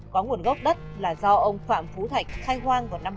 có nguồn gốc đất là do ông phạm phú thạch khai hoang vào năm một nghìn chín trăm bảy mươi sáu